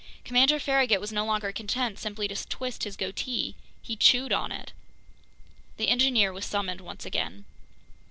Commander Farragut was no longer content simply to twist his goatee; he chewed on it. The engineer was summoned once again.